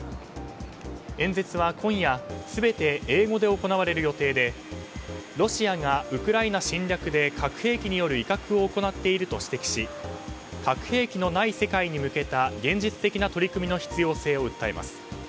演説は今夜全て英語で行われる予定でロシアがウクライナ侵略で核兵器による威嚇を行っていると指摘し核兵器のない世界に向けた現実的な取り組みの必要性を訴えます。